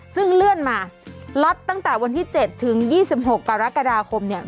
ซึ่งเลื่อนมาล็อตตั้งแต่วันที่๗ถึง๒๖กรกฎาคมเนี่ย